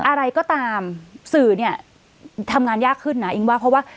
อะไรก็ตามสื่อเนี่ยทำงานยากขึ้นนะอิงว่าเพราะว่า